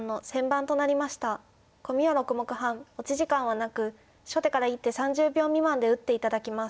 コミは６目半持ち時間はなく初手から１手３０秒未満で打って頂きます。